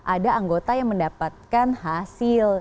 ada anggota yang mendapatkan hasil